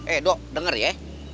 eh do denger ya